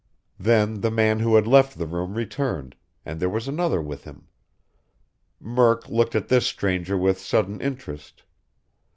Then the man who had left the room returned, and there was another with him. Murk looked at this stranger with sudden interest.